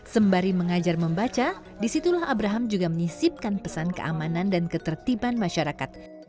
sembari mengajar membaca disitulah abraham juga menyisipkan pesan keamanan dan ketertiban masyarakat